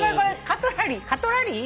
「カトラリー」？